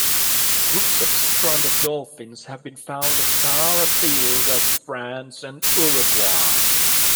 Groups of stranded dolphins have been found as far afield as France and Uruguay.